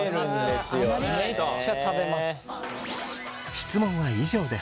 質問は以上です。